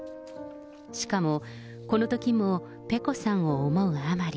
しかもこのときも、ペコさんを思うあまり。